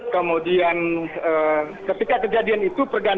kemudian ketika kejadian itu pergantian